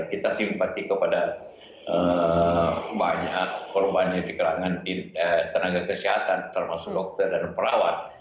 kita simpati kepada banyak korbannya di kalangan tenaga kesehatan termasuk dokter dan perawat